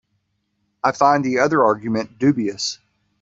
I find the other argument dubious.